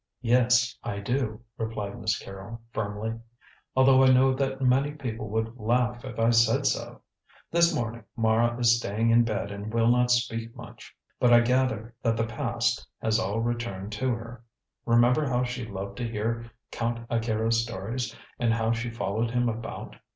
"Yes, I do," replied Miss Carrol firmly; "although I know that many people would laugh if I said so. This morning Mara is staying in bed and will not speak much. But I gather that the past has all returned to her. Remember how she loved to hear Count Akira's stories, and how she followed him about.